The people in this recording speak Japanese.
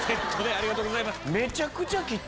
ありがとうございます。